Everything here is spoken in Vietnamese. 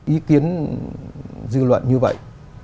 ý kiến dư luận như vậy